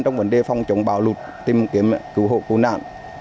trong vấn đề phòng chống bão lụt tìm kiếm cứu hộ cứu nạn